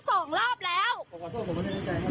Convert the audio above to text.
ผมขอสั่งผมไม่ตั้งใจครับ